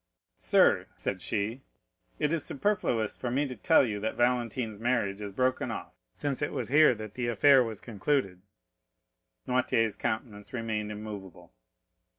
"Sir," said she, "it is superfluous for me to tell you that Valentine's marriage is broken off, since it was here that the affair was concluded." Noirtier's countenance remained immovable.